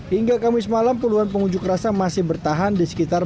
hingga kamis malam puluhan pengunjuk rasa masih bertahan di sekitar